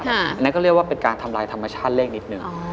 อันนั้นก็เรียกว่าเป็นการทำลายธรรมชาติเลขนิดนึง